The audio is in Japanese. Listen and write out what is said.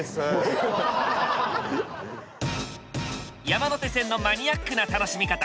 山手線のマニアックな楽しみ方。